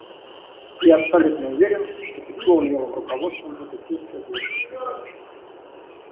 Я абсолютно уверен, что под его умелым руководством эта сессия завершится успешно.